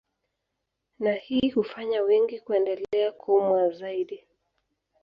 Na hii hufanya wengi kuendelea kuumwa zaidi